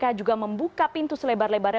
dan kpk juga membuka pintu selebar lalu